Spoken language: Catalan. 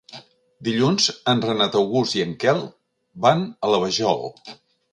Dilluns en Renat August i en Quel van a la Vajol.